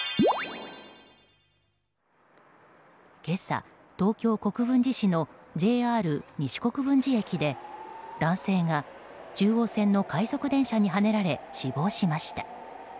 今朝、東京・国分寺市のＪＲ西国分寺駅で男性が中央線の快速電車にはねられ死亡しました。